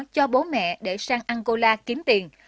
cho bố mẹ để sang angola kiếm tiền